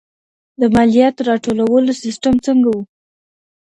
د مالیاتو راټولولو سیسټم څنګه و؟